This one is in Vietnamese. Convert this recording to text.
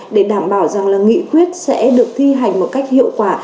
để đảm bảo rằng là nghị quyết sẽ được thi hành một cách hiệu quả